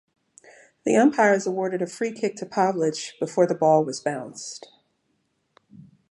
The umpires awarded a free kick to Pavlich before the ball was bounced.